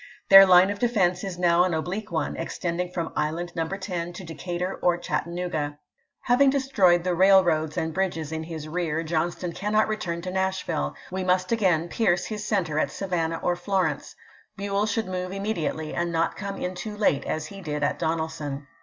Their line of defense is now an oblique one, extending from Island No. 10 to Decatur or Chattanooga. Having destroyed the railroad and 314 ABKAHAM LINCOLN ch. XVIII. bridges iu his rear, Johnston cannot return to Nash ■r 'aI'scVu. ville. We must again pierce his center at Savannah it«ii'^ w.'ii. or Florence. Buell should move immediately, and Part iiV, not come in too late, as he did at Donelson."